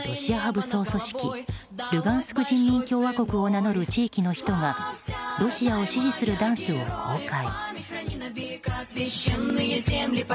武装組織ルガンスク人民共和国を名乗る地域の人々がロシアを支持するダンスを公開。